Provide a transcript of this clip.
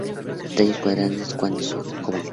Tallos cuadrangulares cuando son jóvenes.